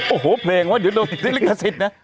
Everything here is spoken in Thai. โอ้โหเพลงว่าเดี๋ยวโดนได้ลิขสิทธิ์นะ